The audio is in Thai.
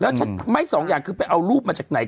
แล้วฉันไม่สองอย่างคือไปเอารูปมาจากไหน